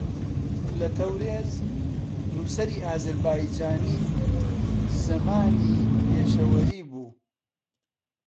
لە تەورێز نووسەری ئازەربایجانی زەمانی پیشەوەری بوو